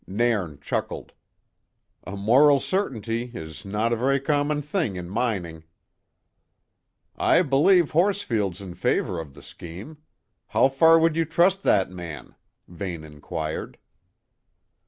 Nairn chuckled. "A moral certainty is no a very common thing in mining." "I believe Horsfield's in favour of the scheme. How far would you trust that man?" Vane inquired.